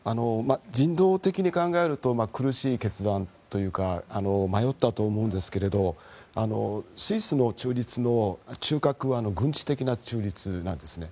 人道的に考えると苦しい決断というか迷ったと思うんですけどスイスの中立の中核は軍事的な中立なんですね。